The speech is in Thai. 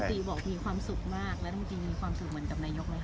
แล้วมึงตีมีความสุขเหมือนกับนายกไหมคะ